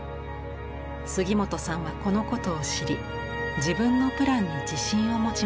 杉本さんはこのことを知り自分のプランに自信を持ちました。